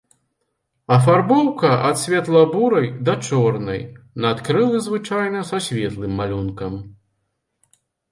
Афарбоўка ад светла-бурай да чорнай, надкрылы звычайна са светлым малюнкам.